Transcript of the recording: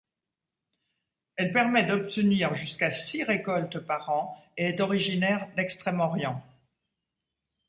Elle permet d'obtenir jusqu'à six récoltes par an et est originaire d'Extrême-Orient.